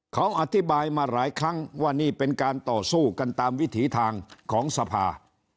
เขาอธิบายมาหลายครั้งว่านี่เป็นการต่อสู้กันตามวิถีทางของสภา